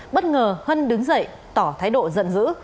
bất ngờ hân đứng dậy tỏ thái độ giận dữ